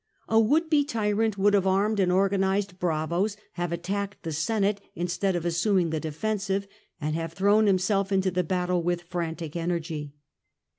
A would be tyrant would have armed and organised bravos, have attacked the Senate instead of assuming the defensive, and have thrown himself into the battle with frantic energy.